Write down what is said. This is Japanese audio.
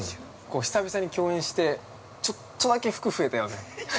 ◆久々に共演してちょっとだけ服増えたよね。